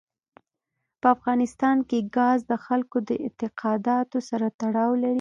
په افغانستان کې ګاز د خلکو د اعتقاداتو سره تړاو لري.